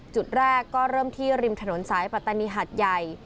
จุดแรกก็เริ่มที่ริมถนนสายปัตตานีหัดใหญ่